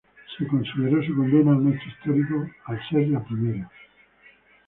Su condena fue considerada un hecho histórico por ser la primera.